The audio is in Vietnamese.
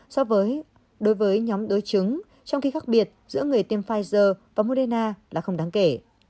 so với đối với nhóm đối chứng trong khi khác biệt giữa người tiêm pfizer và moderna là không đáng kể